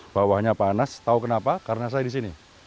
bawahnya panas tau kenapa karena saya disini